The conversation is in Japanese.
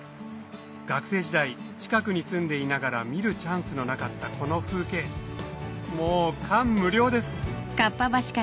学生時代近くに住んでいながら見るチャンスのなかったこの風景もう感無量です